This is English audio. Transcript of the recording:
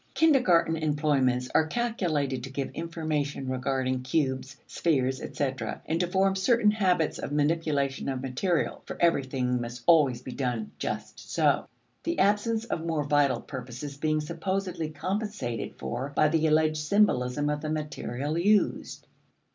Kindergarten employments are calculated to give information regarding cubes, spheres, etc., and to form certain habits of manipulation of material (for everything must always be done "just so"), the absence of more vital purposes being supposedly compensated for by the alleged symbolism of the material used.